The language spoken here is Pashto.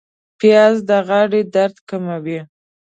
پیاز د غاړې درد کموي